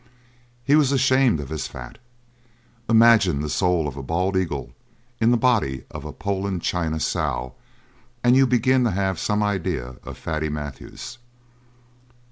He was ashamed of his fat. Imagine the soul of a Bald Eagle in the body of a Poland China sow and you begin to have some idea of Fatty Matthews.